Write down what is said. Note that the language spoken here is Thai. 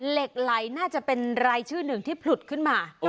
เหล็กไหลน่าจะเป็นรายชื่อหนึ่งที่ผลุดขึ้นมา